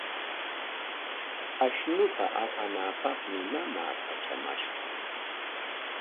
Ashnuta apanaapaqmi mamaa katramashqa.